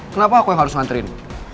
kenapa aku yang harus nganterin